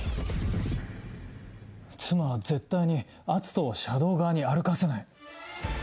妻は絶対に篤斗を車道側に歩かせない。